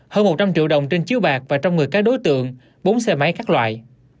hơn một trăm linh triệu đồng trên chiếu bạc và trong người các đối tượng bốn xe máy các loại